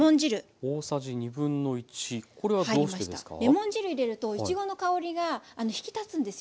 レモン汁入れるといちごの香りが引き立つんですよね。